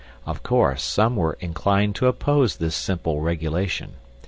Of course, some were inclined to oppose this simple regulation.